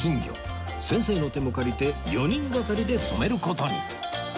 先生の手も借りて４人がかりで染める事に